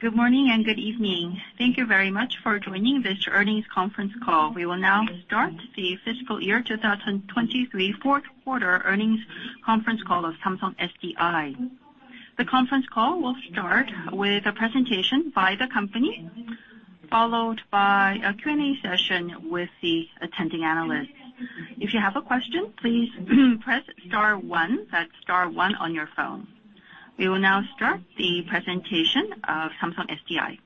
Good morning, and good evening. Thank you very much for joining this earnings conference call. We will now start the fiscal year 2023 fourth quarter earnings conference call of Samsung SDI. The conference call will start with a presentation by the company, followed by a Q&A session with the attending analysts. If you have a question, please press star one, that's star one on your phone. We will now start the presentation of Samsung SDI.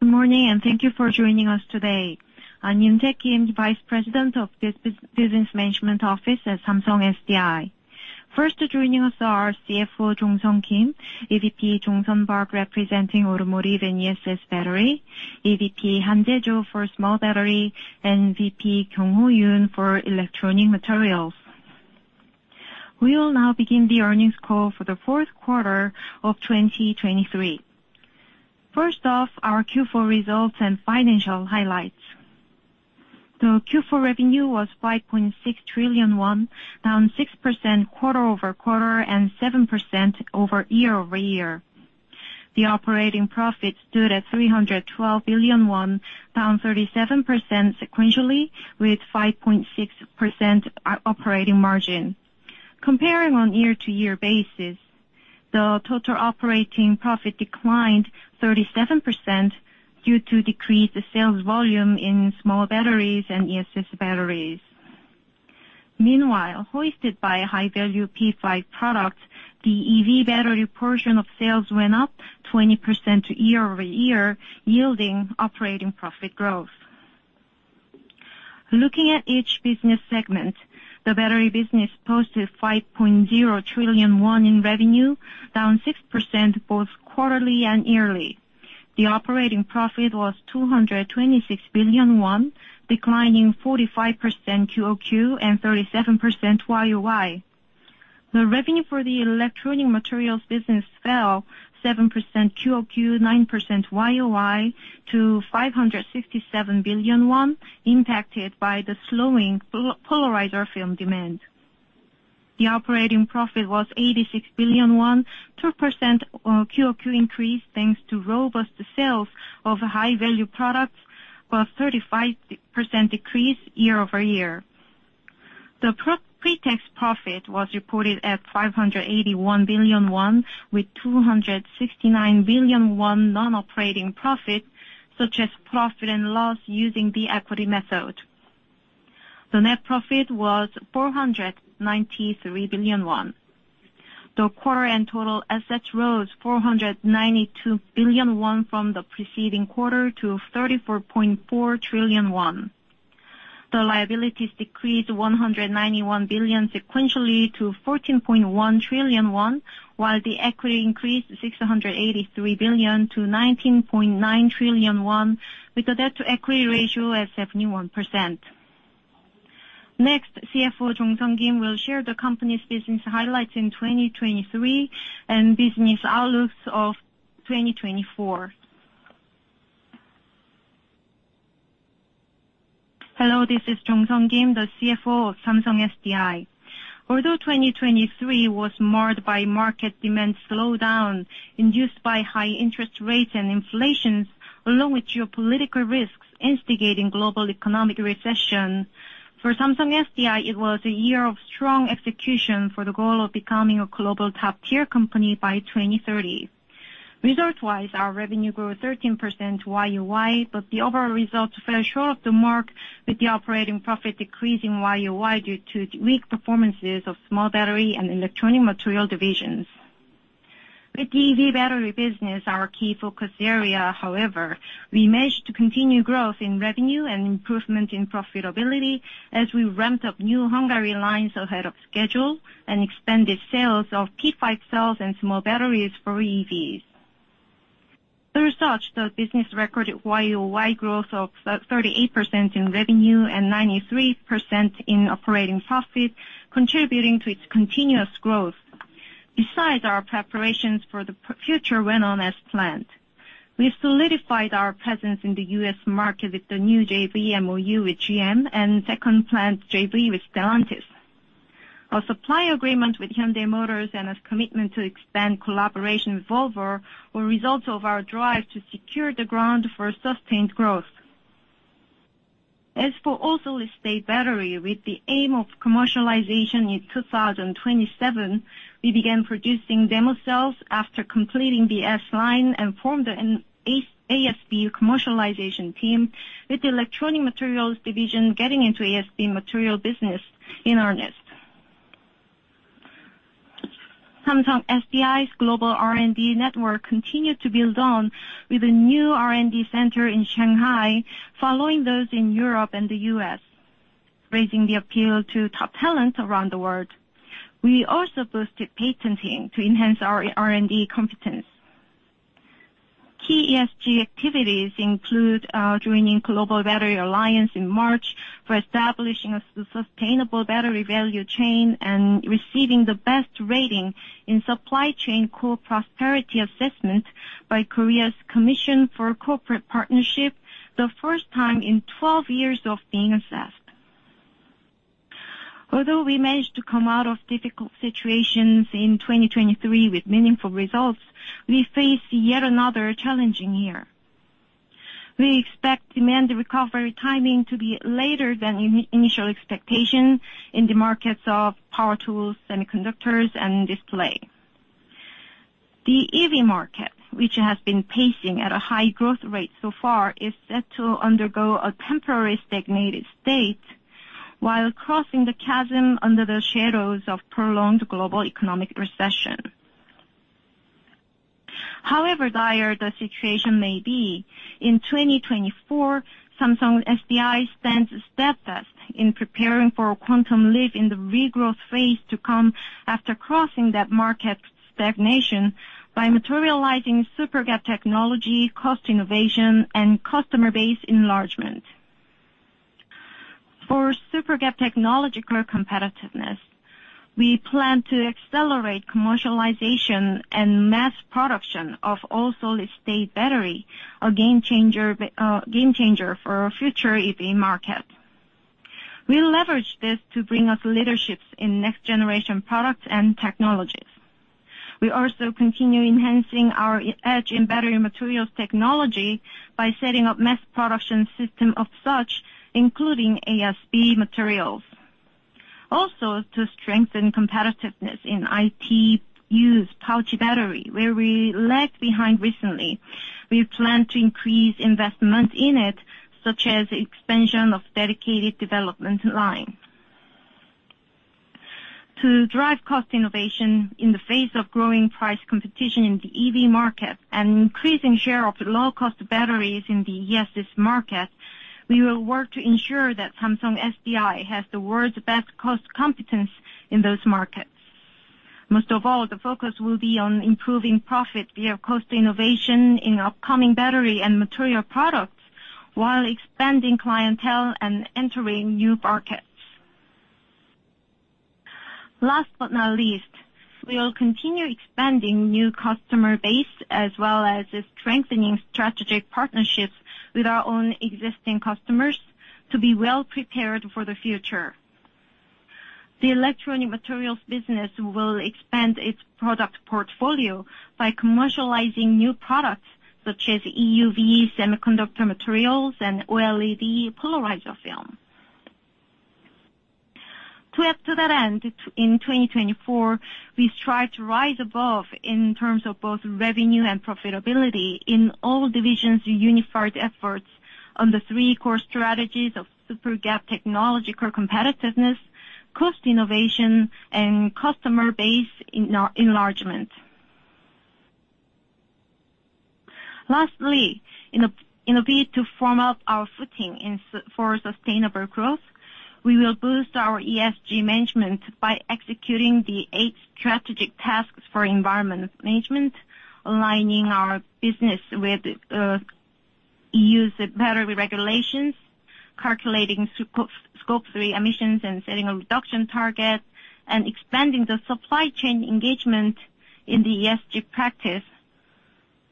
Good morning, and thank you for joining us today. I'm Yoontae Kim, Vice President of Business Management Office at Samsung SDI. First joining us are our CFO, Jong-sung Kim, EVP Jong-sun Park, representing Automotive and ESS Battery, EVP Hanjae Cho for Small Battery, and VP Kyungho Yoon for Electronic Materials. We will now begin the earnings call for the fourth quarter of 2023. First off, our Q4 results and financial highlights. The Q4 revenue was 5.6 trillion won, down 6% quarter-over-quarter, and 7% year-over-year. The operating profit stood at 312 billion won, down 37% sequentially, with 5.6% operating margin. Comparing on year-over-year basis, the total operating profit declined 37% due to decreased sales volume in small batteries and ESS batteries. Meanwhile, hoisted by high-value P5 products, the EV battery portion of sales went up 20% year-over-year, yielding operating profit growth. Looking at each business segment, the battery business posted 5.0 trillion won in revenue, down 6% both quarterly and yearly. The operating profit was 226 billion won, declining 45% QOQ and 37% year-over-year. The revenue for the electronic materials business fell 7% QOQ, 9% year-over-year to 567 billion won, impacted by the slowing polarizer film demand. The operating profit was 86 billion won, 2% QOQ increase, thanks to robust sales of high-value products, but 35% year-over-year decrease. The pre-tax profit was reported at 581 billion won, with 269 billion won non-operating profit, such as profit and loss using the equity method. The net profit was 493 billion won. The quarter and total assets rose 492 billion won from the preceding quarter to 34.4 trillion won. The liabilities decreased 191 billion sequentially to 14.1 trillion won, while the equity increased 683 billion to 19.9 trillion won, with the debt to equity ratio at 71%. Next, CFO Jong-sung Kim will share the company's business highlights in 2023 and business outlooks of 2024. Hello, this is Jong-sung Kim, the CFO of Samsung SDI. Although 2023 was marred by market demand slowdown induced by high interest rates and inflation, along with geopolitical risks instigating global economic recession, for Samsung SDI, it was a year of strong execution for the goal of becoming a global top-tier company by 2030. Result-wise, our revenue grew 13% year-over-year, but the overall results fell short of the mark, with the operating profit decreasing year-over-year due to weak performances of small battery and electronic material divisions. With the EV battery business, our key focus area, however, we managed to continue growth in revenue and improvement in profitability as we ramped up new Hungary lines ahead of schedule and expanded sales of P5 cells and small batteries for EVs. Through such, the business recorded year-over-year growth of thirty-eight percent in revenue and ninety-three percent in operating profit, contributing to its continuous growth. Besides, our preparations for the future went on as planned. We solidified our presence in the U.S. market with the new JV MOU with GM and second plant JV with Stellantis. Our supply agreement with Hyundai Motors and its commitment to expand collaboration with Volvo were results of our drive to secure the ground for sustained growth. As for all-solid-state battery, with the aim of commercialization in 2027, we began producing demo cells after completing the S-Line and formed an ASB commercialization team, with the Electronic Materials division getting into ASB material business in earnest. Samsung SDI's global R&D network continued to build on with a new R&D center in Shanghai, following those in Europe and the U.S., raising the appeal to top talent around the world. We also boosted patenting to enhance our R&D competence. Key ESG activities include joining Global Battery Alliance in March for establishing a sustainable battery value chain and receiving the best rating in Supply Chain Co-Prosperity Assessment by Korea's Commission for Corporate Partnership, the first time in 12 years of being assessed. Although we managed to come out of difficult situations in 2023 with meaningful results, we face yet another challenging year. We expect demand recovery timing to be later than initial expectation in the markets of power tools, semiconductors, and display. The EV market, which has been pacing at a high growth rate so far, is set to undergo a temporary stagnated state while crossing the chasm under the shadows of prolonged global economic recession. However dire the situation may be, in 2024, Samsung SDI stands steadfast in preparing for a quantum leap in the regrowth phase to come after crossing that market stagnation by materializing super gap technology, cost innovation, and customer base enlargement. For super gap technological competitiveness, we plan to accelerate commercialization and mass production of all-solid-state battery, a game changer for our future EV market. We leverage this to bring us leaderships in next generation products and technologies. We also continue enhancing our edge in battery materials technology by setting up mass production system of such, including ASB materials. Also, to strengthen competitiveness in IT use pouch battery, where we lagged behind recently, we plan to increase investment in it, such as expansion of dedicated development line. To drive cost innovation in the face of growing price competition in the EV market and increasing share of low-cost batteries in the ESS market, we will work to ensure that Samsung SDI has the world's best cost competence in those markets. Most of all, the focus will be on improving profit via cost innovation in upcoming battery and material products, while expanding clientele and entering new markets. Last but not least, we will continue expanding new customer base, as well as strengthening strategic partnerships with our own existing customers to be well prepared for the future. The electronic materials business will expand its product portfolio by commercializing new products such as EUV semiconductor materials and OLED polarizer film. To add to that end, in 2024, we strive to rise above in terms of both revenue and profitability in all divisions' unified efforts on the three core strategies of super gap technology, core competitiveness, cost innovation, and customer base enlargement. Lastly, in a bid to firm up our footing for sustainable growth, we will boost our ESG management by executing the eight strategic tasks for environment management, aligning our business with EU's battery regulations, calculating scope three emissions, and setting a reduction target, and expanding the supply chain engagement in the ESG practice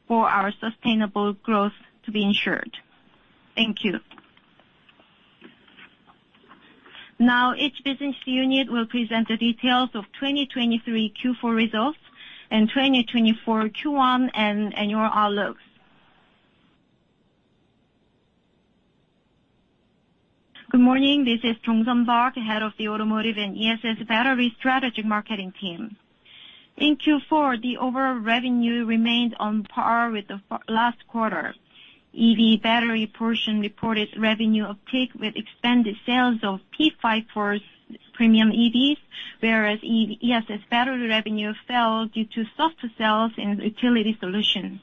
for our sustainable growth to be ensured. Thank you. Now, each business unit will present the details of 2023 Q4 results and 2024 Q1 and annual outlooks. Good morning, this is Jong-sun Park, Head of the Automotive and ESS Battery Strategic Marketing Team. In Q4, the overall revenue remained on par with the last quarter. EV battery portion reported revenue uptake with expanded sales of P5 for premium EVs, whereas ESS battery revenue fell due to softer sales and utility solutions.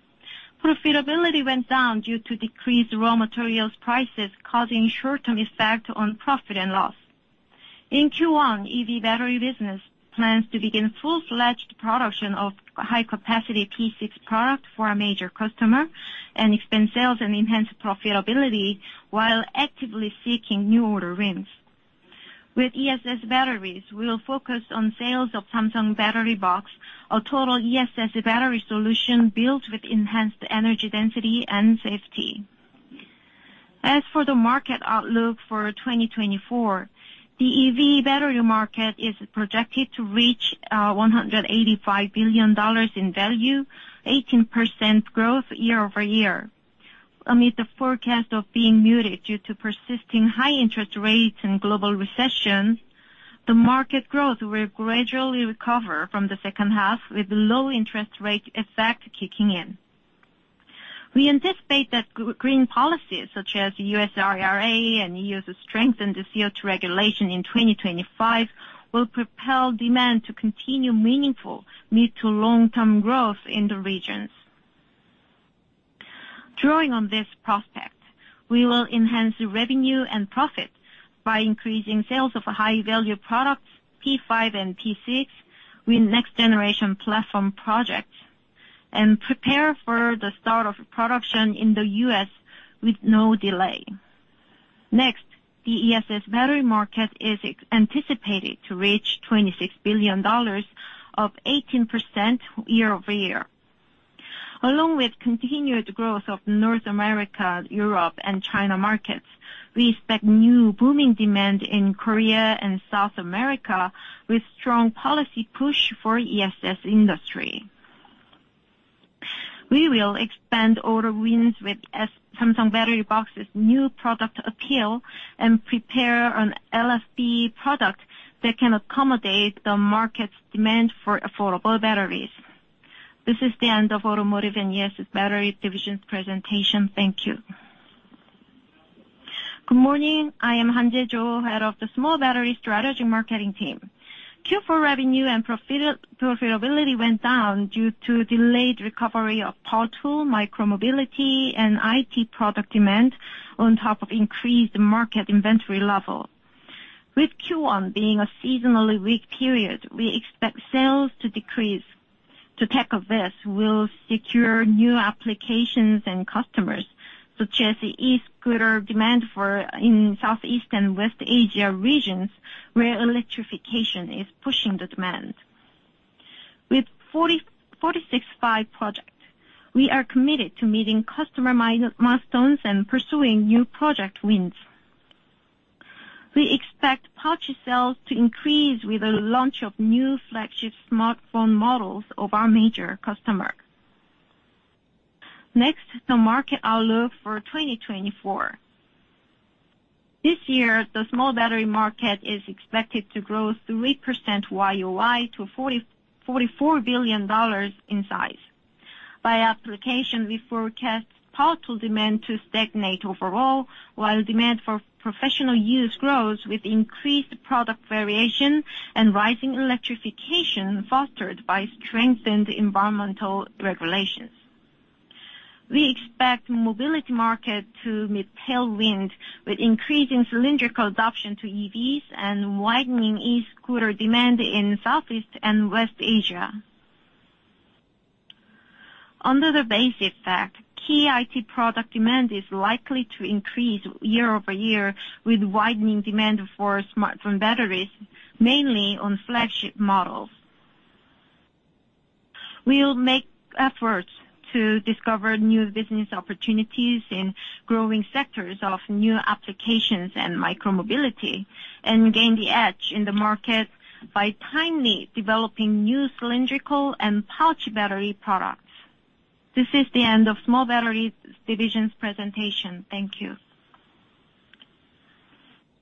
Profitability went down due to decreased raw materials prices, causing short-term effect on profit and loss. In Q1, EV battery business plans to begin full-fledged production of high-capacity P6 product for a major customer and expand sales and enhance profitability while actively seeking new order wins. With ESS batteries, we will focus on sales of Samsung Battery Box, a total ESS battery solution built with enhanced energy density and safety. As for the market outlook for 2024, the EV battery market is projected to reach $185 billion in value, 18% growth year-over-year. Amid the forecast of being muted due to persisting high interest rates and global recession, the market growth will gradually recover from the second half, with low interest rate effect kicking in. We anticipate that green policies, such as U.S. IRA and EU's strengthened the CO2 regulation in 2025, will propel demand to continue meaningful mid- to long-term growth in the regions. Drawing on this prospect, we will enhance the revenue and profit by increasing sales of high-value products, P5 and P6, with next-generation platform projects, and prepare for the start of production in the U.S. with no delay. Next, the ESS battery market is anticipated to reach $26 billion, up 18% year-over-year. Along with continued growth of North America, Europe, and China markets, we expect new booming demand in Korea and South America, with strong policy push for ESS industry. We will expand order wins with Samsung Battery Box's new product appeal, and prepare an LFP product that can accommodate the market's demand for affordable batteries. This is the end of Automotive and ESS Battery Division's presentation. Thank you. Good morning. I am Hanjae Cho, Head of the Small Battery Strategy Marketing team. Q4 revenue and profitability went down due to delayed recovery of power tool, micro-mobility, and IT product demand, on top of increased market inventory level. With Q1 being a seasonally weak period, we expect sales to decrease. To tackle this, we'll secure new applications and customers, such as the e-scooter demand in Southeast and West Asia regions, where electrification is pushing the demand. With 46-series project, we are committed to meeting customer milestones and pursuing new project wins. We expect pouch sales to increase with the launch of new flagship smartphone models of our major customer. Next, the market outlook for 2024. This year, the small battery market is expected to grow 3% year-over-year to $44 billion in size. By application, we forecast power tool demand to stagnate overall, while demand for professional use grows with increased product variation and rising electrification, fostered by strengthened environmental regulations. We expect mobility market to meet tailwind, with increasing cylindrical adoption to EVs and widening e-scooter demand in Southeast and West Asia. Under the base effect, key IT product demand is likely to increase year-over-year, with widening demand for smartphone batteries, mainly on flagship models. We'll make efforts to discover new business opportunities in growing sectors of new applications and micro-mobility, and gain the edge in the market by timely developing new cylindrical and pouch battery products. This is the end of Small Batteries Division's presentation. Thank you.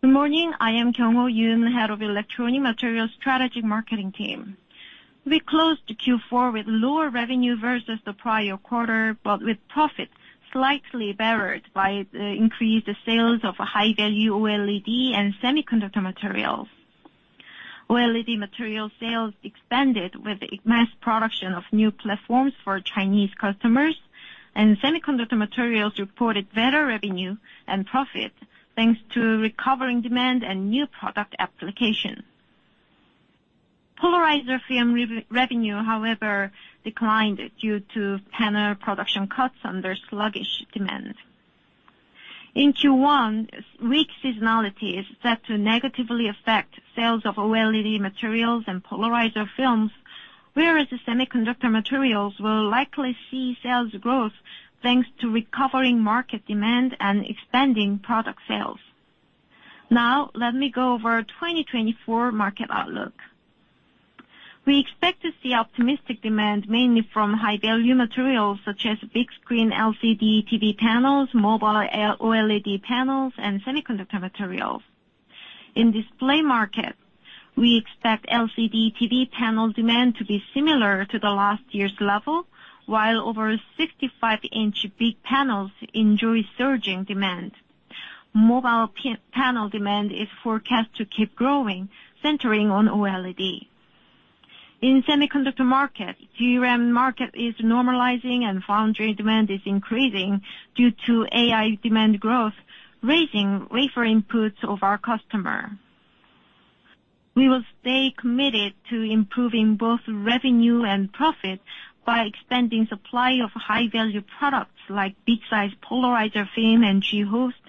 Good morning, I am Kyungho Yoon, Head of Electronic Materials Strategy Marketing Team. We closed Q4 with lower revenue versus the prior quarter, but with profits slightly bettered by the increased sales of high-value OLED and semiconductor materials. OLED material sales expanded with the mass production of new platforms for Chinese customers, and semiconductor materials reported better revenue and profit, thanks to recovering demand and new product application. Polarizer Film revenue, however, declined due to panel production cuts under sluggish demand. In Q1, weak seasonality is set to negatively affect sales of OLED materials and polarizer films, whereas the semiconductor materials will likely see sales growth, thanks to recovering market demand and expanding product sales. Now let me go over 2024 market outlook. We expect to see optimistic demand, mainly from high-value materials, such as big screen LCD TV panels, mobile OLED panels, and semiconductor materials. In display market, we expect LCD TV panel demand to be similar to the last year's level, while over 65-inch big panels enjoy surging demand. Mobile panel demand is forecast to keep growing, centering on OLED. In semiconductor market, DRAM market is normalizing and foundry demand is increasing due to AI demand growth, raising wafer inputs of our customer. We will stay committed to improving both revenue and profit by expanding supply of high-value products, like big-sized polarizer film and G-Host,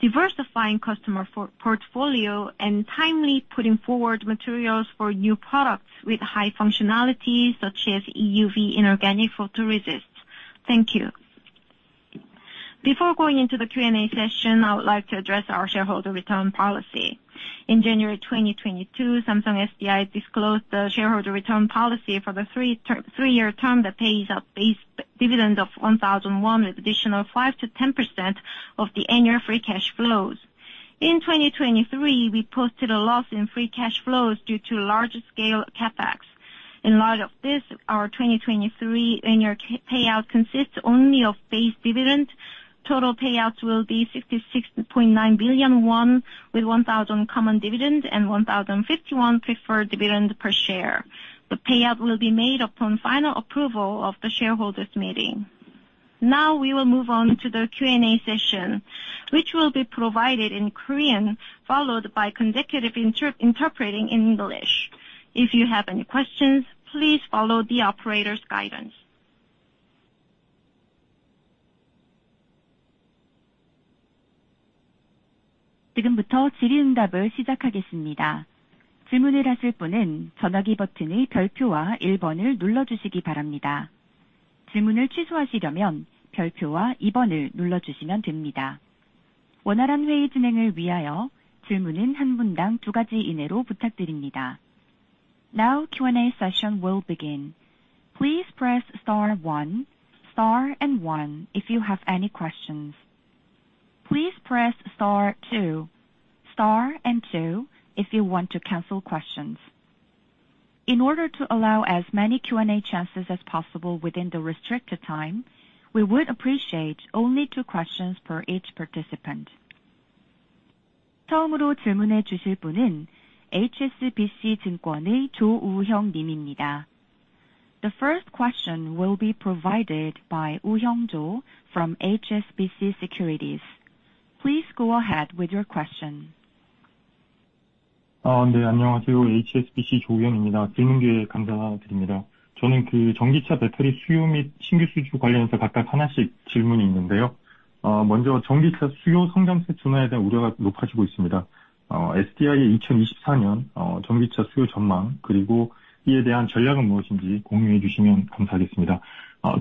diversifying customer for portfolio, and timely putting forward materials for new products with high functionality, such as EUV inorganic photoresist. Thank you. Before going into the Q&A session, I would like to address our shareholder return policy. In January 2022, Samsung SDI disclosed the shareholder return policy for the three-year term that pays a base dividend of 1,000 won, with additional 5%-10% of the annual free cash flows. In 2023, we posted a loss in free cash flows due to large-scale CapEx. In light of this, our 2023 annual payout consists only of base dividend. Total payouts will be 66.9 billion won, with 1,000 KRW common dividend and 1,051 KRW preferred dividend per share. The payout will be made upon final approval of the shareholders meeting. Now, we will move on to the Q&A session, which will be provided in Korean, followed by consecutive interpreting in English. If you have any questions, please follow the operator's guidance. 지금부터 질의응답을 시작하겠습니다. 질문을 하실 분은 전화기 버튼의 별표와 일번을 눌러주시기 바랍니다. 질문을 취소하시려면 별표와 이번을 눌러주시면 됩니다. 원활한 회의 진행을 위하여 질문은 한 분당 두 가지 이내로 부탁드립니다. Now Q&A session will begin. Please press star one, star and one, if you have any questions. Please press star two, star and two, if you want to cancel questions. In order to allow as many Q&A chances as possible within the restricted time, we would appreciate only two questions for each participant. 처음으로 질문해 주실 분은 HSBC 증권의 조우형 님입니다. The first question will be provided by Woo Hyun Cho from HSBC Securities. Please go ahead with your question. 네, 안녕하세요. HSBC 조우형입니다. 질문 기회 감사드립니다. 저는 그 전기차 배터리 수요 및 신규 수주 관련해서 각각 하나씩 질문이 있는데요. 먼저 전기차 수요 성장세 둔화에 대한 우려가 높아지고 있습니다. SDI의 2024년, 전기차 수요 전망, 그리고 이에 대한 전략은 무엇인지 공유해 주시면 감사하겠습니다.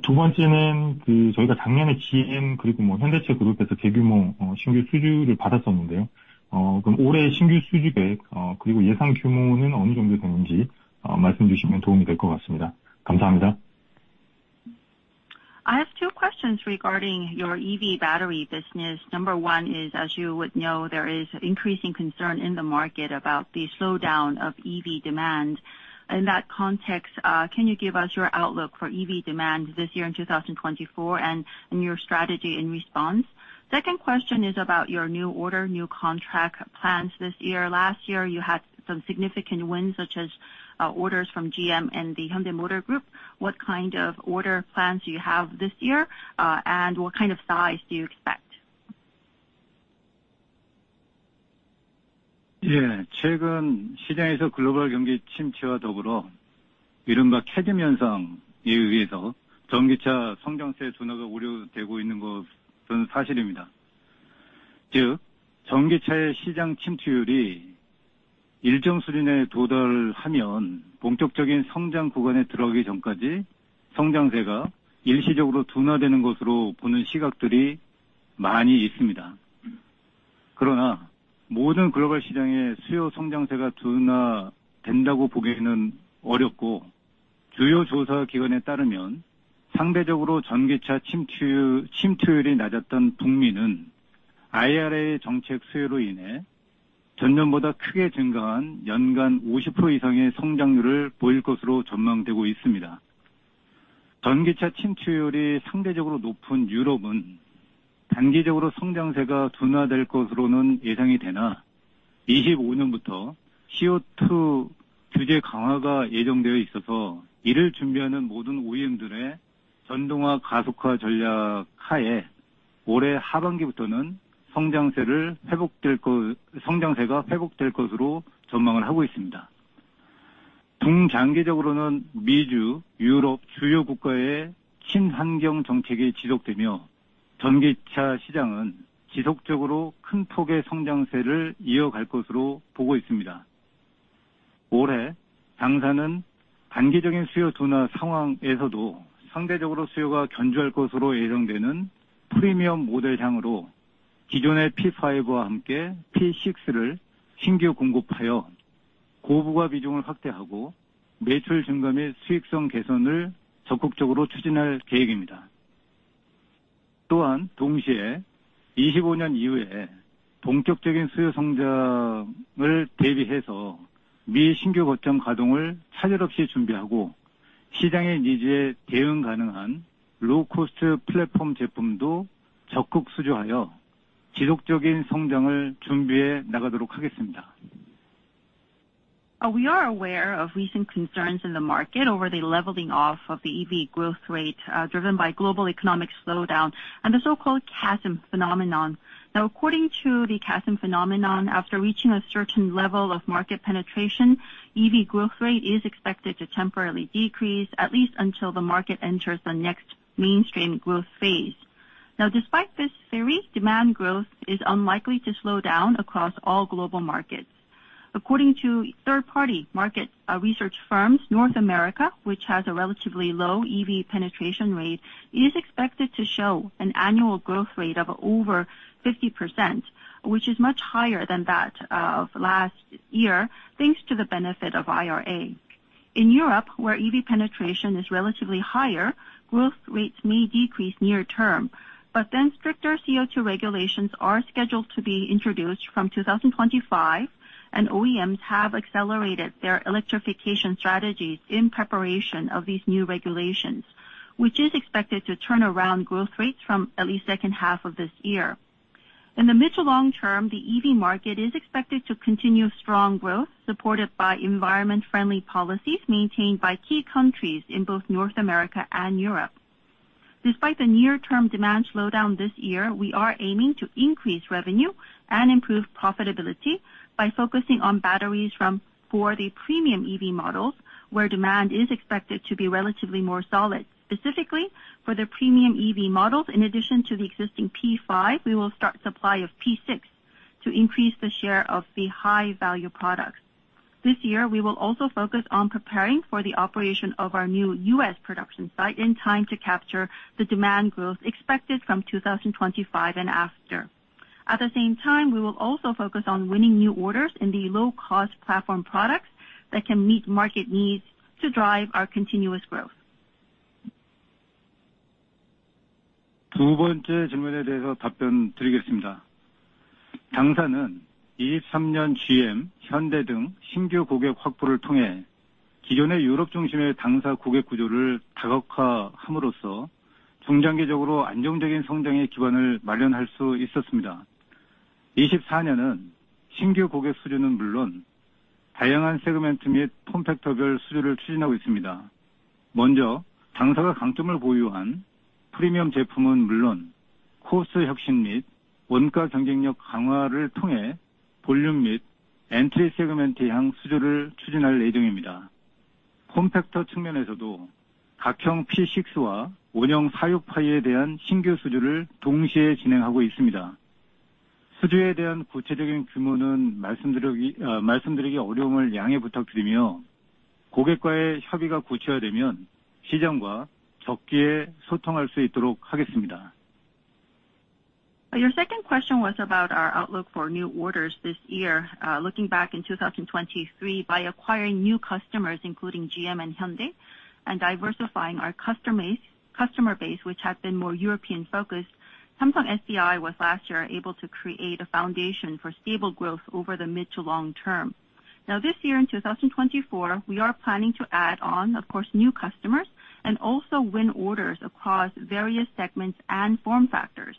두 번째는 그 저희가 작년에 GM 그리고 현대차 그룹에서 대규모 신규 수주를 받았었는데요. 그럼 올해 신규 수주액, 그리고 예상 규모는 어느 정도 되는지 말씀해 주시면 도움이 될것 같습니다. 감사합니다. I have two questions regarding your EV battery business. Number one is, as you would know, there is increasing concern in the market about the slowdown of EV demand. In that context, can you give us your outlook for EV demand this year in 2024 and in your strategy in response? Second question is about your new order, new contract plans this year. Last year you had some significant wins, such as, orders from GM and the Hyundai Motor Group. What kind of order plans do you have this year? And what kind of size do you expect? 예, 최근 시장에서 글로벌 경기 침체와 더불어 이른바 캐즘 현상에 의해서 전기차 성장세 둔화가 우려되고 있는 것은 사실입니다. 즉, 전기차의 시장 침투율이 일정 수준에 도달하면 본격적인 성장 구간에 들어가기 전까지 성장세가 일시적으로 둔화되는 것으로 보는 시각들이 많이 있습니다. 그러나 모든 글로벌 시장의 수요 성장세가 둔화된다고 보기는 어렵고, 주요 조사기관에 따르면 상대적으로 전기차 침투율이 낮았던 북미는 IRA 정책 수요로 인해 전년보다 크게 증가한 연간 50% 이상의 성장률을 보일 것으로 전망되고 있습니다. 전기차 침투율이 상대적으로 높은 유럽은 단기적으로 성장세가 둔화될 것으로 예상되나, 2025년부터 CO2 규제 강화가 예정되어 있어서 이를 준비하는 모든 OEM들의 전동화 가속화 전략 하에 올해 하반기부터는 성장세가 회복될 것으로 전망하고 있습니다. 중장기적으로는 미주, 유럽 주요 국가의 친환경 정책이 지속되며, 전기차 시장은 지속적으로 큰 폭의 성장세를 이어갈 것으로 보고 있습니다. 올해 장사는 단기적인 수요 둔화 상황에서도 상대적으로 수요가 견조할 것으로 예상되는 프리미엄 모델 향으로 기존의 P5와 함께 P6를 신규 공급하여 고부하 비중을 확대하고, 매출 증가 및 수익성 개선을 적극적으로 추진할 계획입니다. 또한 동시에 2025년 이후에 본격적인 수요 성장을 대비해서 미신규 거점 가동을 차질없이 준비하고, 시장의 니즈에 대응 가능한 로우코스트 플랫폼 제품도 적극 수주하여 지속적인 성장을 준비해 나가도록 하겠습니다. We are aware of recent concerns in the market over the leveling off of the EV growth rate, driven by global economic slowdown and the so-called Chasm phenomenon. Now, according to the Chasm phenomenon, after reaching a certain level of market penetration, EV growth rate is expected to temporarily decrease at least until the market enters the next mainstream growth phase. Now, despite this theory, demand growth is unlikely to slow down across all global markets. According to third party market research firms, North America, which has a relatively low EV penetration rate, is expected to show an annual growth rate of over 50%, which is much higher than that of last year, thanks to the benefit of IRA. In Europe, where EV penetration is relatively higher, growth rates may decrease near term, but then stricter CO2 regulations are scheduled to be introduced from 2025, and OEMs have accelerated their electrification strategies in preparation of these new regulations, which is expected to turn around growth rates from at least second half of this year. In the mid to long term, the EV market is expected to continue strong growth, supported by environment friendly policies maintained by key countries in both North America and Europe. Despite the near term demand slowdown this year, we are aiming to increase revenue and improve profitability by focusing on batteries for the premium EV models, where demand is expected to be relatively more solid. Specifically, for the premium EV models, in addition to the existing P5, we will start supply of P6 to increase the share of the high value products. This year, we will also focus on preparing for the operation of our new U.S. production site in time to capture the demand growth expected from 2025 and after. At the same time, we will also focus on winning new orders in the low-cost platform products that can meet market needs to drive our continuous growth. Your second question was about our outlook for new orders this year. Looking back in 2023, by acquiring new customers, including GM and Hyundai, and diversifying our customer base, which had been more European focused, Samsung SDI was last year able to create a foundation for stable growth over the mid to long term. Now, this year, in 2024, we are planning to add on, of course, new customers and also win orders across various segments and form factors.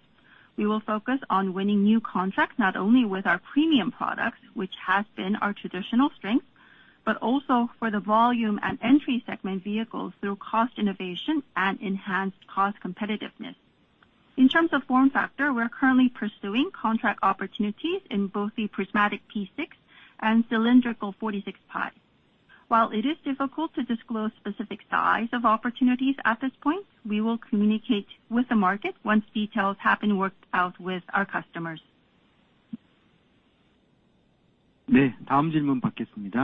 We will focus on winning new contracts, not only with our premium products, which has been our traditional strength, but also for the volume and entry segment vehicles through cost innovation and enhanced cost competitiveness. In terms of form factor, we're currently pursuing contract opportunities in both the prismatic P6 and cylindrical 46-phi. While it is difficult to disclose specific size of opportunities at this point, we will communicate with the market once details have been worked out with our customers. The following question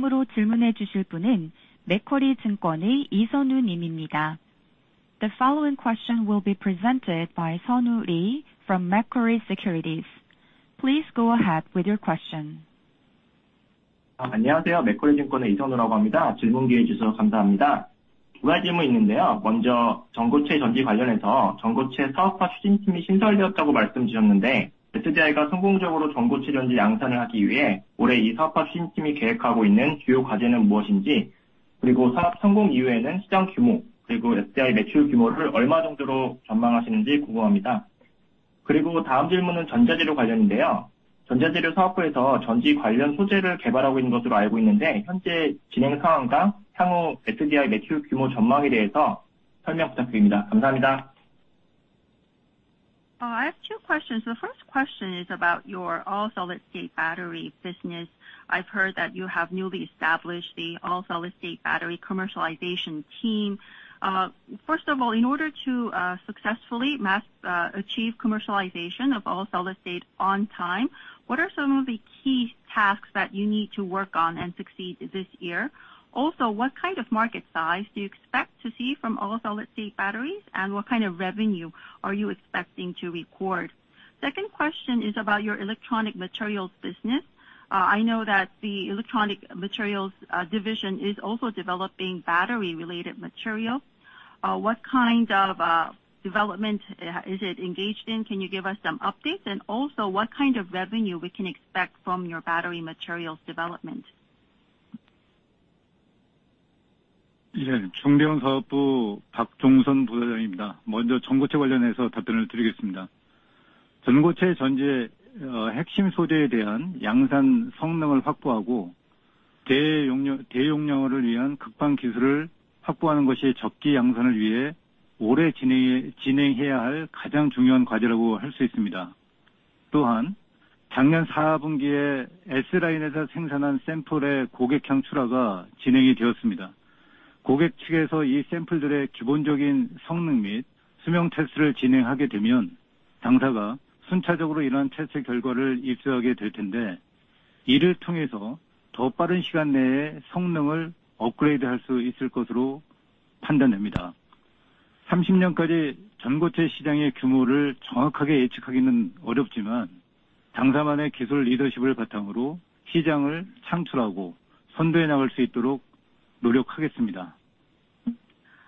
will be presented by Sun-woo Lee from Macquarie Securities. Please go ahead with your question. main tasks that this commercialization promotion team is planning for this year in order for SDI to successfully mass-produce all-solid-state batteries? And after the business success, I am curious about how much you forecast the market size and SDI revenue size to be. And the next question is related to electronic materials. I understand that the electronic materials division is developing battery-related materials. Could you please explain the current progress and the future forecast for SDI revenue size? Thank you. I have two questions. The first question is about your all-solid-state battery business. I've heard that you have newly established the all-solid-state battery commercialization team. First of all, in order to successfully mass achieve commercialization of all-solid-state on time, what are some of the key tasks that you need to work on and succeed this year? Also, what kind of market size do you expect to see from all-solid-state batteries, and what kind of revenue are you expecting to record? Second question is about your electronic materials business. I know that the electronic materials division is also developing battery-related material. What kind of development is it engaged in? Can you give us some updates? And also what kind of revenue we can expect from your battery materials development?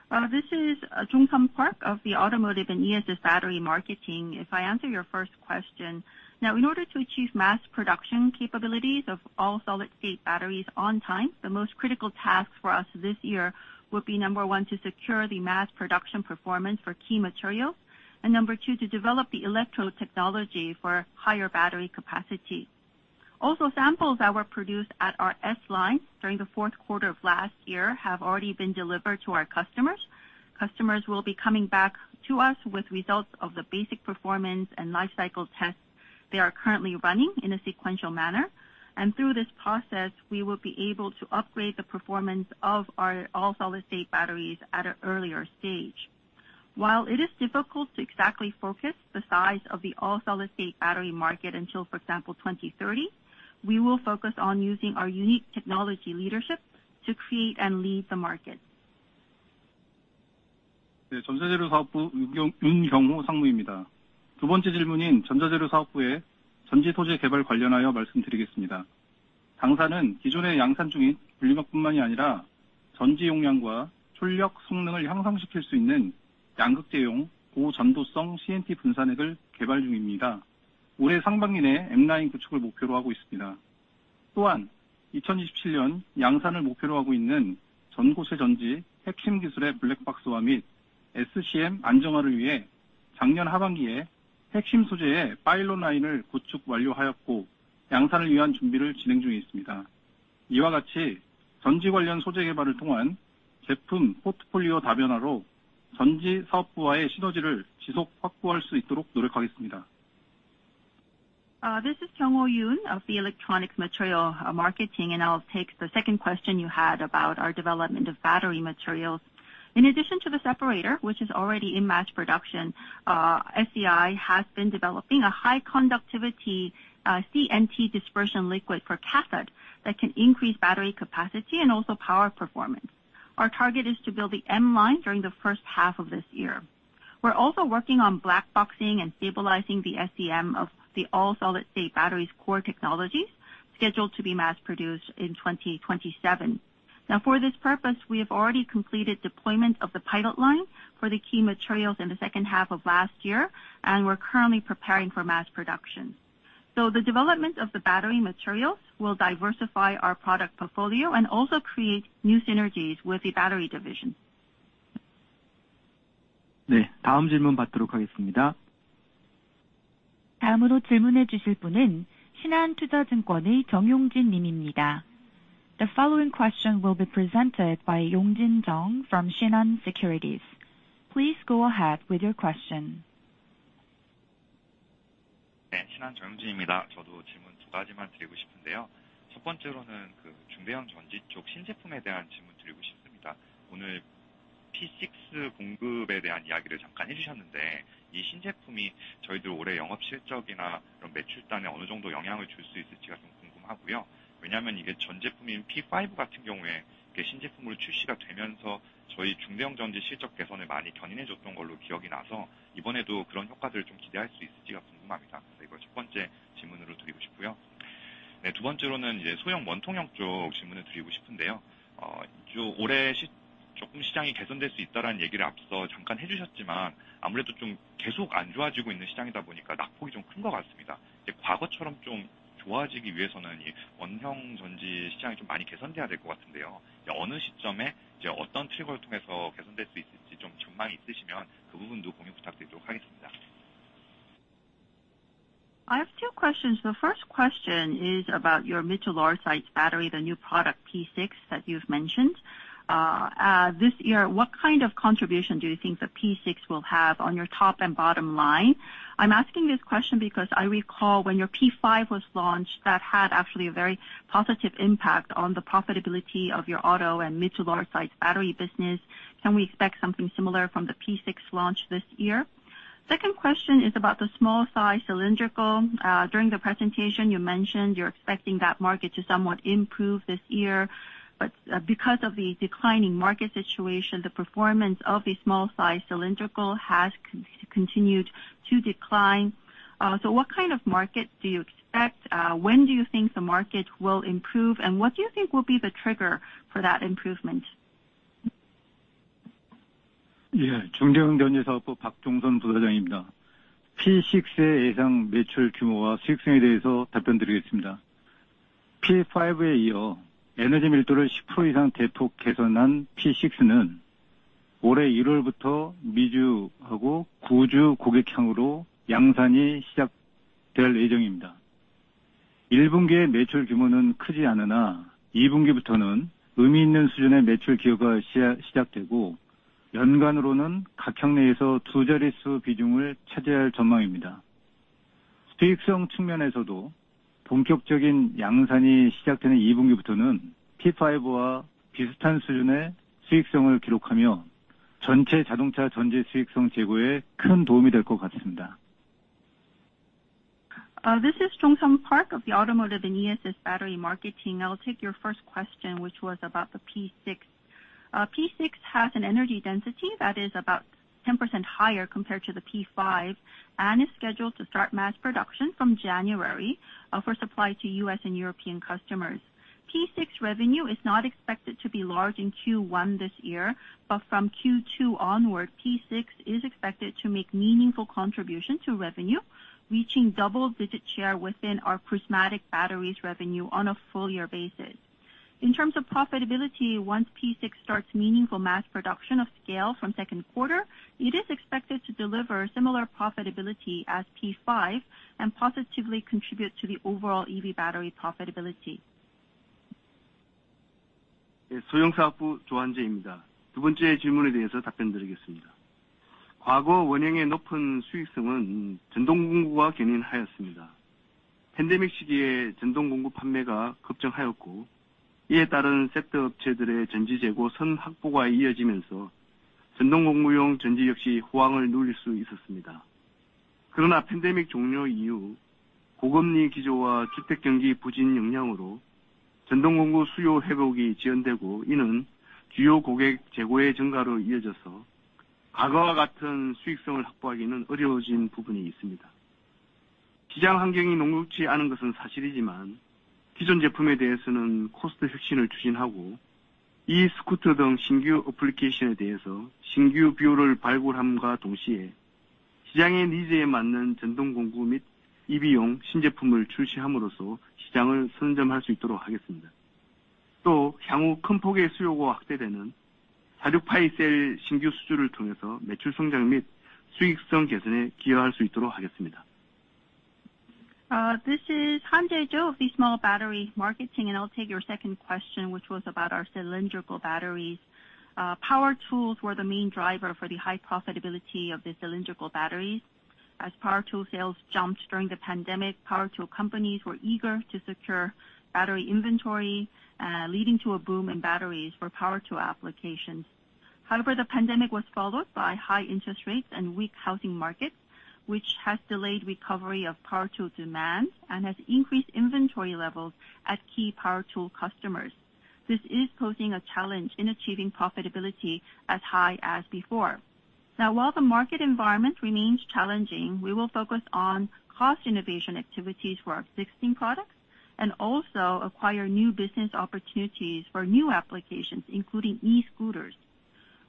Yes, Jong-sun Park, Automotive and ESS Battery Marketing. If I answer your first question, now, in order to achieve mass production capabilities of all-solid-state batteries on time, the most critical task for us this year would be, number one, to secure the mass production performance for key materials, and number two, to develop the electrode technology for higher battery capacity. Also, samples that were produced at our S Line during the fourth quarter of last year have already been delivered to our customers. Customers will be coming back to us with results of the basic performance and life cycle tests they are currently running in a sequential manner, and through this process, we will be able to upgrade the performance of our all-solid-state batteries at an earlier stage. While it is difficult to exactly focus the size of the all-solid-state battery market until, for example, 2030, we will focus on using our unique technology leadership to create and lead the market. Yes, This is Kyungho Yoon of the Electronic Materials Marketing, and I'll take the second question you had about our development of battery materials. In addition to the separator, which is already in mass production, SEI has been developing a high conductivity CNT dispersion liquid for cathode that can increase battery capacity and also power performance. Our target is to build the M Line during the first half of this year. We're also working on black boxing and stabilizing the SCM of the all-solid-state batteries core technologies, scheduled to be mass produced in 2027. Now, for this purpose, we have already completed deployment of the pilot line for the key materials in the second half of last year, and we're currently preparing for mass production. The development of the battery materials will diversify our product portfolio and also create new synergies with the battery division. The following question will be presented by Yong Jin Jeong from Shinhan Securities. Please go ahead with your question. Next, Shinhan, Jeong Jin. I have two questions. The first question is about your mid-to-large size battery, the new product P6, that you've mentioned. This year, what kind of contribution do you think the P6 will have on your top and bottom line? I'm asking this question because I recall when your P5 was launched, that had actually a very positive impact on the profitability of your auto and mid-to-large size battery business. Can we expect something similar from the P6 launch this year? Second question is about the small size cylindrical. During the presentation, you mentioned you're expecting that market to somewhat improve this year, but because of the declining market situation, the performance of the small size cylindrical has continued to decline. So what kind of market do you expect? When do you think the market will improve, and what do you think will be the trigger for that improvement? Yeah. This is Jongsun Park of the Automotive and ESS Battery Marketing. I'll take your first question, which was about the P6. P6 has an energy density that is about 10% higher compared to the P5, and is scheduled to start mass production from January for supply to U.S. and European customers. P6 revenue is not expected to be large in Q1 this year, but from Q2 onward, P6 is expected to make meaningful contribution to revenue, reaching double-digit share within our prismatic batteries revenue on a full year basis. In terms of profitability, once P6 starts meaningful mass production of scale from second quarter, it is expected to deliver similar profitability as P5 and positively contribute to the overall EV battery profitability. Pandemic 시기에 전동공구 판매가 급증하였고, 이에 따른 섹터 업체들의 전지 재고 선 확보가 이어지면서 전동공구용 전지 역시 호황을 누릴 수 있었습니다. 그러나 Pandemic 종료 이후 고금리 기조와 주택 경기 부진 영향으로 전동공구 수요 회복이 지연되고, 이는 주요 고객 재고의 증가로 이어져서 과거와 같은 수익성을 확보하기는 어려워진 부분이 있습니다. 시장 환경이 녹록치 않은 것은 사실이지만, 기존 제품에 대해서는 코스트 혁신을 추진하고, e-스쿠터 등 신규 어플리케이션에 대해서 신규 비즈니스를 발굴함과 동시에 시장의 니즈에 맞는 전동공구 및 EV용 신제품을 출시함으로써 시장을 선점할 수 있도록 하겠습니다. 또 향후 큰 폭의 수요가 확대되는 46-series 셀 신규 수주를 통해서 매출 성장 및 수익성 개선에 기여할 수 있도록 하겠습니다. This is Hanjae Cho of the Small Battery Marketing, and I'll take your second question, which was about our cylindrical batteries. Power tools were the main driver for the high profitability of the cylindrical batteries. As power tool sales jumped during the pandemic, power tool companies were eager to secure battery inventory, leading to a boom in batteries for power tool applications. However, the pandemic was followed by high interest rates and weak housing markets, which has delayed recovery of power tool demand and has increased inventory levels at key power tool customers. This is posing a challenge in achieving profitability as high as before. Now, while the market environment remains challenging, we will focus on cost innovation activities for our existing products and also acquire new business opportunities for new applications, including e-scooters.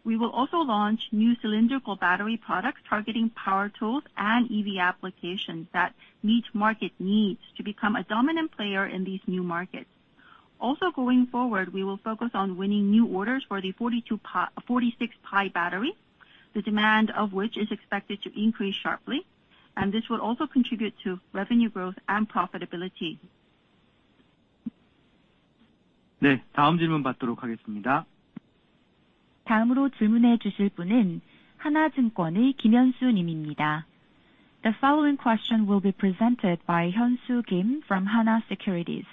We will also launch new cylindrical battery products targeting power tools and EV applications that meet market needs to become a dominant player in these new markets. Also, going forward, we will focus on winning new orders for the 46-phi battery, the demand of which is expected to increase sharply, and this will also contribute to revenue growth and profitability. 네, 다음 질문 받도록 하겠습니다. 다음으로 질문해 주실 분은 하나증권의 김현수 님입니다. The following question will be presented by Hyun Su Kim from Hana Securities.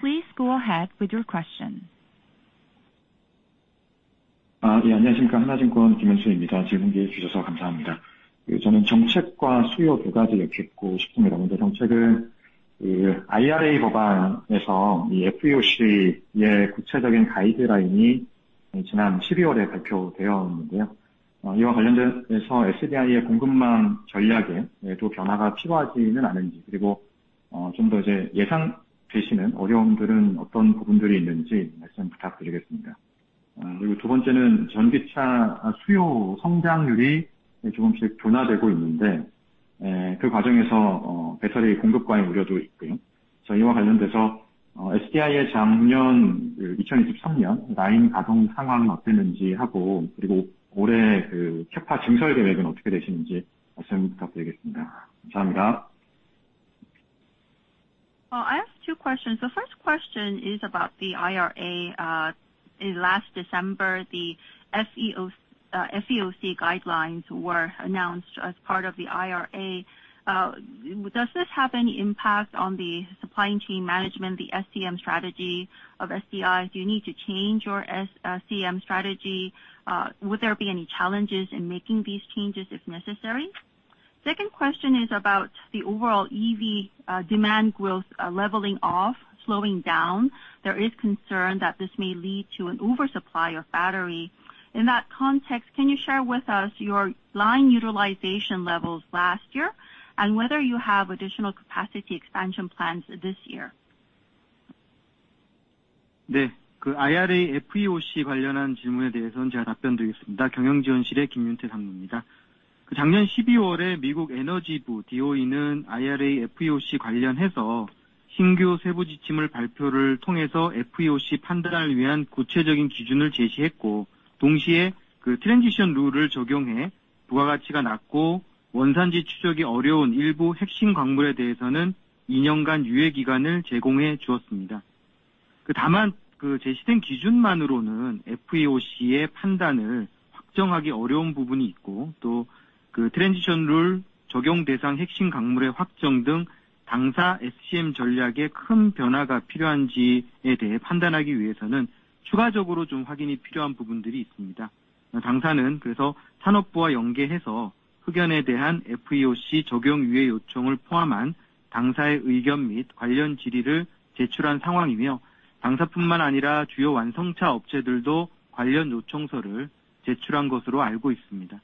Please go ahead with your question. 안녕하십니까? 하나증권 김현수입니다. 질문 기회 주셔서 감사합니다. 저는 정책과 수요 두 가지 여쭙고 싶습니다. 먼저 정책은, 그 IRA 법안에서 이 FEOC의 구체적인 가이드라인이 지난 12월에 발표되었는데요. 이와 관련돼서 SDI의 공급망 전략에도 변화가 필요하지는 않은지, 그리고 좀더 이제 예상되시는 어려움들은 어떤 부분들이 있는지 말씀 부탁드리겠습니다. 그리고 두 번째는 전기차 수요 성장률이 조금씩 둔화되고 있는데, 그 과정에서 배터리 공급 과잉 우려도 있고요. 저희와 관련돼서 SDI의 작년, 2023년 라인 가동 상황은 어땠는지 하고, 그리고 올해 그 케파 증설 계획은 어떻게 되시는지 말씀 부탁드리겠습니다. 감사합니다. I have two questions. The first question is about the IRA. In last December, the DOE FEOC guidelines were announced as part of the IRA. Does this have any impact on the supply chain management, the SCM strategy of SDI? Do you need to change your CM strategy? Would there be any challenges in making these changes if necessary? Second question is about the overall EV demand growth leveling off, slowing down. There is concern that this may lead to an oversupply of battery. In that context, can you share with us your line utilization levels last year and whether you have additional capacity expansion plans this year? 네, 그 IRA FEOC 관련한 질문에 대해서는 제가 답변드리겠습니다. 경영지원실의 김윤태 상무입니다. 작년 12월에 미국 에너지부 DOE는 IRA FEOC 관련해서 신규 세부 지침을 발표를 통해서 FEOC 판단을 위한 구체적인 기준을 제시했고, 동시에 그 Transition Rule을 적용해 부가가치가 낮고 원산지 추적이 어려운 일부 핵심 광물에 대해서는 2년간 유예기간을 제공해 주었습니다. 그 다만, 그 제시된 기준만으로는 FEOC의 판단을 확정하기 어려운 부분이 있고, 또그 Transition Rule 적용 대상 핵심 광물의 확정 등 당사 SCM 전략에 큰 변화가 필요한지에 대해 판단하기 위해서는 추가적으로 좀 확인이 필요한 부분들이 있습니다. 당사는 그래서 산업부와 연계해서 흑연에 대한 FEOC 적용 유예 요청을 포함한 당사의 의견 및 관련 질의를 제출한 상황이며, 당사뿐만 아니라 주요 완성차 업체들도 관련 요청서를 제출한 것으로 알고 있습니다.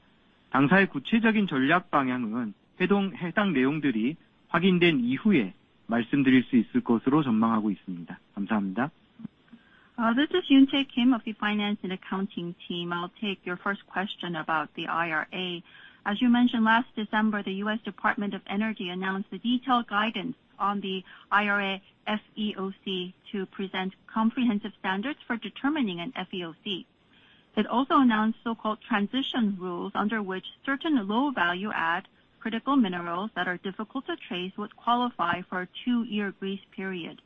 당사의 구체적인 전략 방향은 회동, 해당 내용들이 확인된 이후에 말씀드릴 수 있을 것으로 전망하고 있습니다. 감사합니다. This is Yoon Tae Kim of the Finance and Accounting team. I'll take your first question about the IRA. As you mentioned, last December, the U.S. Department of Energy announced the detailed guidance on the IRA FEOC to present comprehensive standards for determining an FEOC. It also announced so-called transition rules, under which certain low value-add critical minerals that are difficult to trace would qualify for a two-year grace period.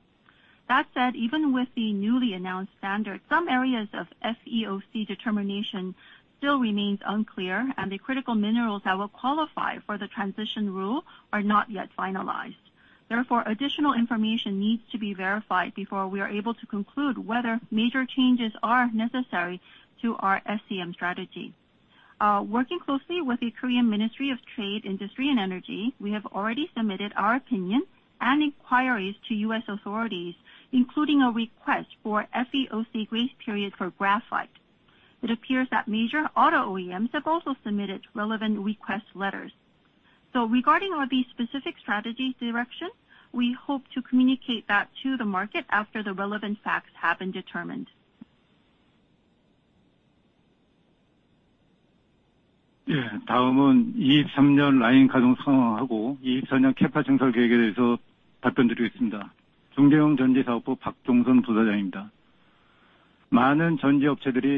That said, even with the newly announced standard, some areas of FEOC determination still remains unclear, and the critical minerals that will qualify for the transition rule are not yet finalized. Therefore, additional information needs to be verified before we are able to conclude whether major changes are necessary to our SEM strategy. Working closely with the Korean Ministry of Trade, Industry and Energy, we have already submitted our opinion and inquiries to U.S. authorities, including a request for FEOC grace period for graphite. It appears that major auto OEMs have also submitted relevant request letters. So regarding our specific strategy direction, we hope to communicate that to the market after the relevant facts have been determined. Yeah,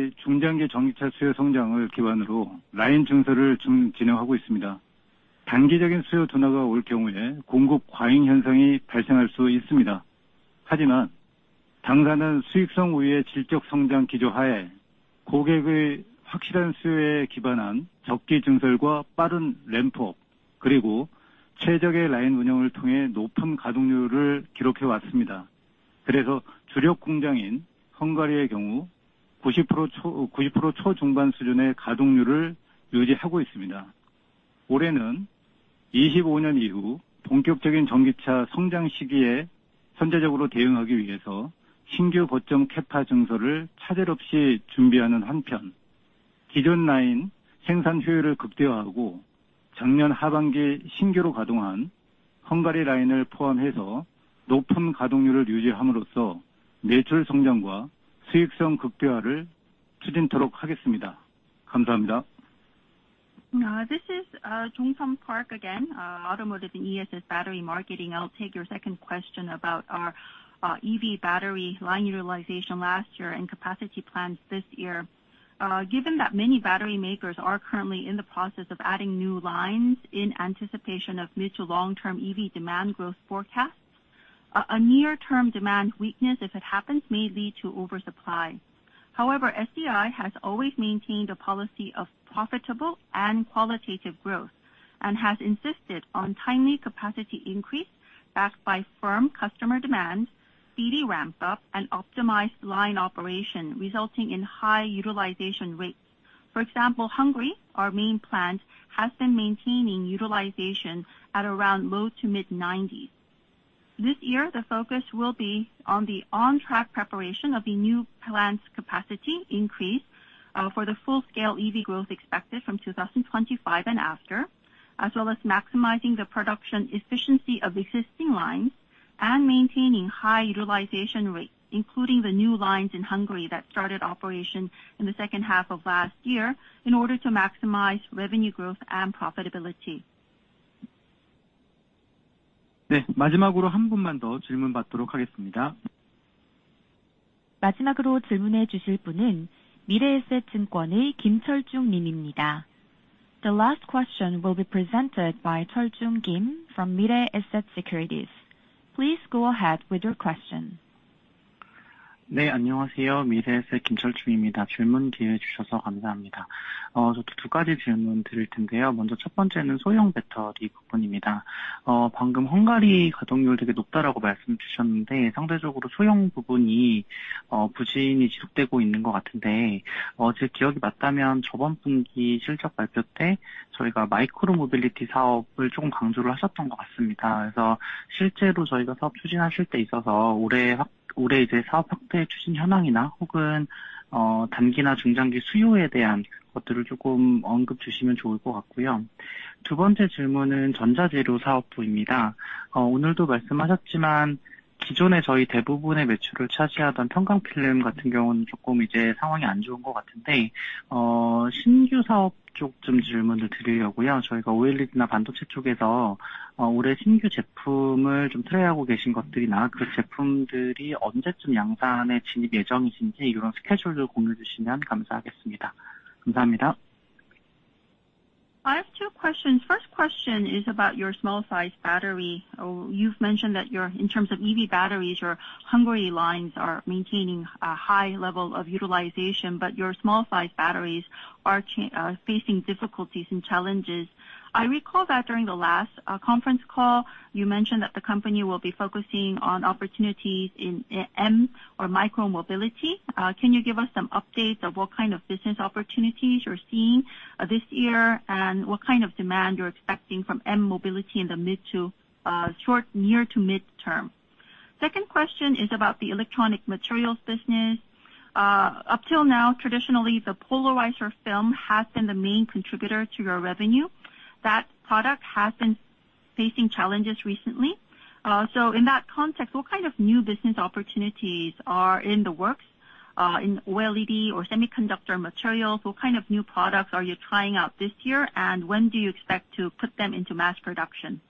this is Jong-sun Park again, Automotive and ESS Battery Marketing. I'll take your second question about our EV battery line utilization last year and capacity plans this year. Given that many battery makers are currently in the process of adding new lines in anticipation of mid- to long-term EV demand growth forecasts, a near-term demand weakness, if it happens, may lead to oversupply. However, SDI has always maintained a policy of profitable and qualitative growth, and has insisted on timely capacity increase, backed by firm customer demand, speedy ramp up, and optimized line operation, resulting in high utilization rates. For example, Hungary, our main plant, has been maintaining utilization at around low- to mid-90s. This year, the focus will be on the on-track preparation of the new plant's capacity increase, for the full scale EV growth expected from 2025 and after, as well as maximizing the production efficiency of existing lines and maintaining high utilization rates, including the new lines in Hungary that started operation in the second half of last year, in order to maximize revenue growth and profitability. The last question will be presented by Chuljoong Kim from Mirae Asset Securities. Please go ahead with your question. underperform, if my memory is correct, at last quarter's earnings announcement it seems you emphasized the micro-mobility business a bit. So actually when pushing the business this year, this year now the status of business expansion promotion or alternatively, things about short-term or mid- to long-term demand, it would be good if you mention a bit. The second question is the electronic materials division. As you mentioned today too, the case like the polarizer film that accounted for most of our sales previously seems the situation is a bit not good now, I intend to ask about the new business side a bit. The things you are trialing new products this year in the OLED or semiconductor areas, or when those products are scheduled to enter mass production, if you share such a schedule I would appreciate it. Thank you. I have two questions. First question is about your small size battery. You've mentioned that your, in terms of EV batteries, your Hungary lines are maintaining a high level of utilization, but your small size batteries are facing difficulties and challenges. I recall that during the last conference call, you mentioned that the company will be focusing on opportunities in M or micro-mobility. Can you give us some updates of what kind of business opportunities you're seeing this year, and what kind of demand you're expecting from M mobility in the mid to short, near to mid-term? Second question is about the electronic materials business. Up till now, traditionally, the Polarizer Film has been the main contributor to your revenue. That product has been facing challenges recently. So in that context, what kind of new business opportunities are in the works, in OLED or semiconductor materials? What kind of new products are you trying out this year, and when do you expect to put them into mass production?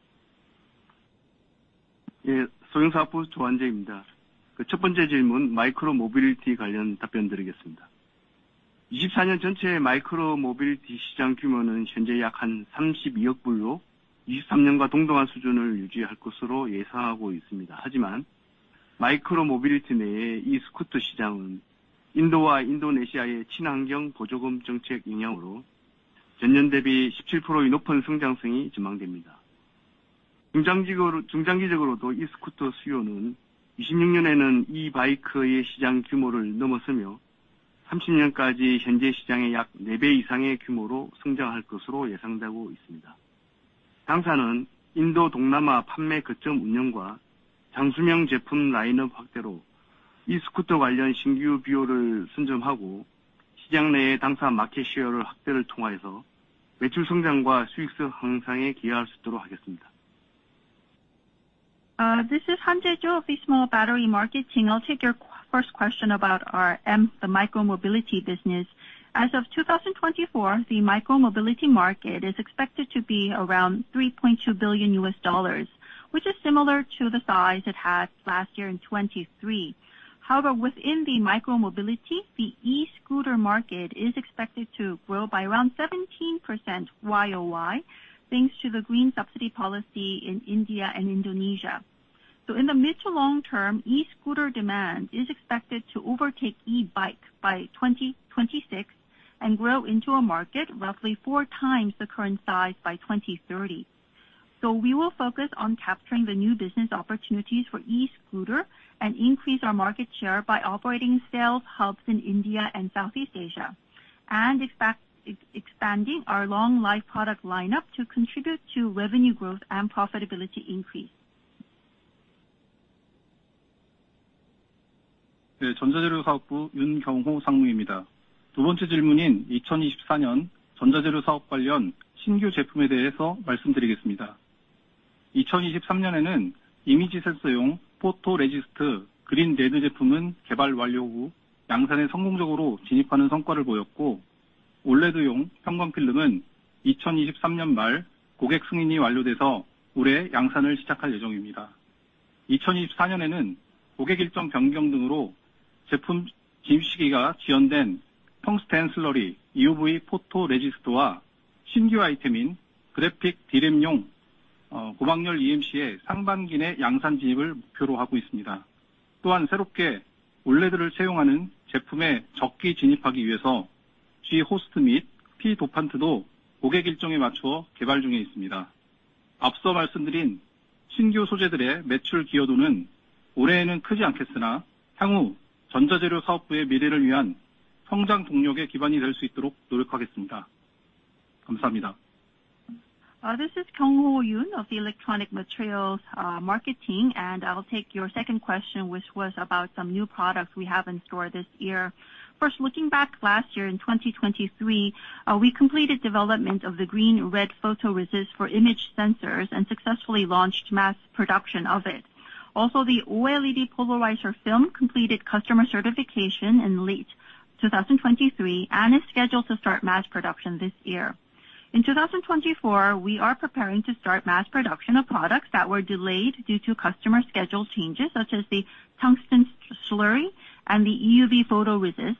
This is Hanjae Cho of the Small Battery Market Team. I'll take your first question about our M, the micro mobility business. As of 2024, the micro mobility market is expected to be around $3.2 billion, which is similar to the size it had last year in 2023. However, within the micro mobility, the e-scooter market is expected to grow by around 17% year-over-year, thanks to the green subsidy policy in India and Indonesia. So in the mid- to long-term, e-scooter demand is expected to overtake e-bike by 2026 and grow into a market roughly four times the current size by 2030. So we will focus on capturing the new business opportunities for e-scooter and increase our market share by operating sales hubs in India and Southeast Asia, and expect expanding our long-life product lineup to contribute to revenue growth and profitability increase. This is Kyungho Yoon of the Electronic Materials Market Team, and I'll take your second question, which was about some new products we have in store this year. First, looking back last year in 2023, we completed development of the green-red photoresist for image sensors and successfully launched mass production of it. Also, the OLED Polarizer Film completed customer certification in late 2023 and is scheduled to start mass production this year. In 2024, we are preparing to start mass production of products that were delayed due to customer schedule changes, such as the tungsten slurry and the EUV photoresist,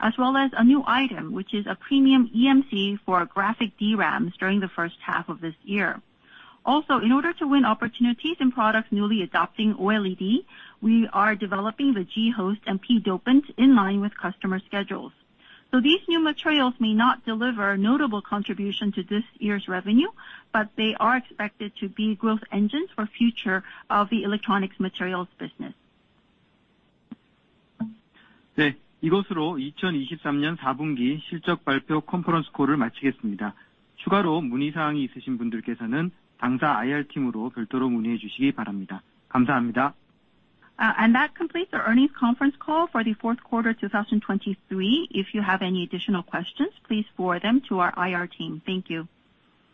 as well as a new item, which is a premium EMC for graphic DRAMs during the first half of this year. Also, in order to win opportunities in products newly adopting OLED, we are developing the G-host and P-dopant in line with customer schedules. So these new materials may not deliver a notable contribution to this year's revenue, but they are expected to be growth engines for the future of the electronic materials business. And that completes the earnings conference call for the fourth quarter 2023. If you have any additional questions, please forward them to our IR team. Thank you.